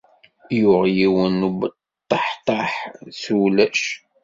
Yuɣ yiwen n ubeṭṭeḥtaḥ s ulac